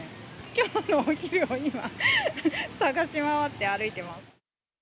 きょうのお昼を今、探し回って歩いています。